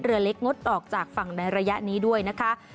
เรือเล็กงดออกจากฝั่งในระยะนี้ด้วยนะคะ